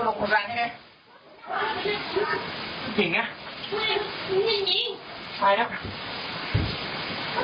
นี่คุณผู้ชมดูนะทุกคน